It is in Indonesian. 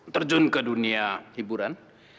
terjun ke dunia hiburan